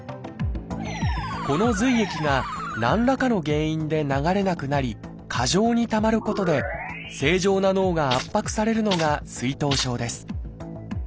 この髄液が何らかの原因で流れなくなり過剰にたまることで正常な脳が圧迫されるのが水頭症です。